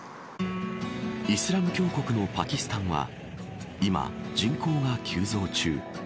イスラム教国のパキスタンは今、人口が急増中。